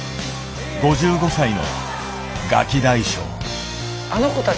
５５歳のガキ大将。